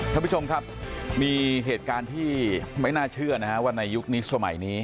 ท่านผู้ชมครับมีเหตุการณ์ที่ไม่น่าเชื่อนะฮะว่าในยุคนี้สมัยนี้